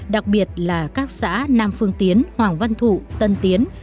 đặc biệt là các xã nam phương tiến hoàng văn thụ tân tiến